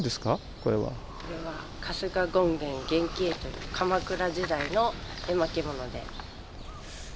これは「春日権現験記絵」という鎌倉時代の絵巻物で。